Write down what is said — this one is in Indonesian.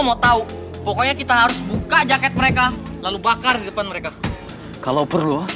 mama udah liat belum